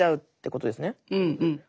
うんうん。